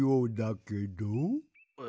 え？